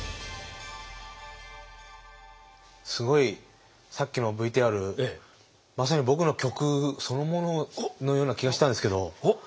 すごいさっきのＶＴＲまさに僕の曲そのもののような気がしたんですけど。